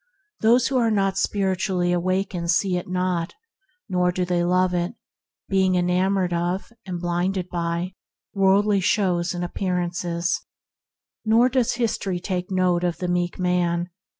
Those who are not spiritually awakened see it not, nor do they love it, being enamored of and blinded by / 118 THE HEAVENLY LIFE worldly shows and appearances. Nor does history take note of the meek man.